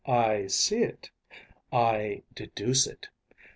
‚ÄĚ “I see it, I deduce it.